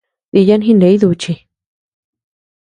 Diyan jiney duchii.